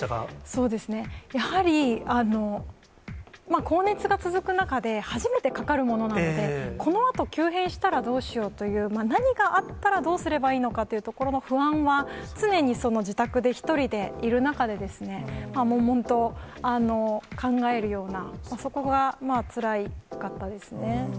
そうですね、やはり高熱が続く中で、初めてかかるものなので、このあと急変したら、どうしようという、何があったらどうすればいいのかというところの不安は、常に自宅で１人でいる中で、もんもんと考えるような、そこがつらかったですね。